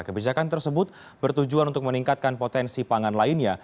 kebijakan tersebut bertujuan untuk meningkatkan potensi pangan lainnya